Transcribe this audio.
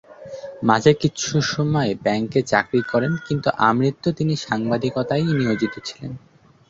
মাঝে কিছুসময় ব্যাংকে চাকরি করেন কিন্তু আমৃত্যু তিনি সাংবাদিকতায়ই নিয়োজিত ছিলেন।